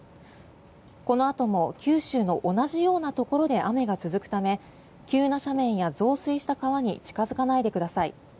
このあとも九州の同じようなところで雨が続くため急な斜面や増水した川に近付かないでください。